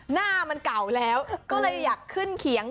หน้ามันเก่าแล้วก็เลยอยากขึ้นเขียง